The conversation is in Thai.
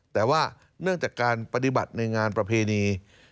แต่ว่าเนื่องจากการปฏิบัติในงานประเพณี